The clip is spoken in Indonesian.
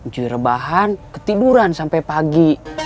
cuci rebahan ketiduran sampai pagi